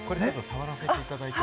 触らせていただいて。